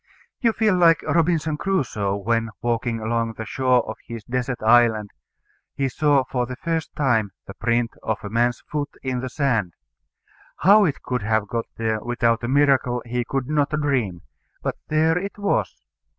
You feel like Robinson Crusoe when, walking along the shore of his desert island, he saw for the first time the print of a man's foot in the sand. How it could have got there without a miracle he could not dream. But there it was.